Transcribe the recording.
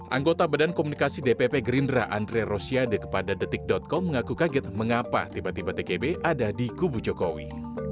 anggota badan komunikasi dpp gerindra andre rosiade kepada detik com mengaku kaget mengapa tiba tiba tgb ada di kubu jokowi